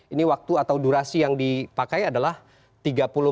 ini waktu atau durasi yang dipakai adalah tiga puluh menit